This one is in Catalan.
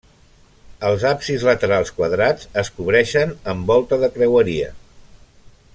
Els absis laterals quadrats es cobreixen amb volta de creueria.